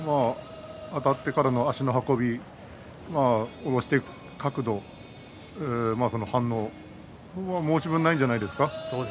あたってからの足の運び押していく角度、反応申し分ないんじゃないですか。